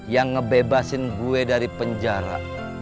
yang ngebebasin gue dari penjara